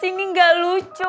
ini gak lucu